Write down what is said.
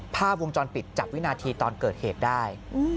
ภาพวงจรปิดจับวินาทีตอนเกิดเหตุได้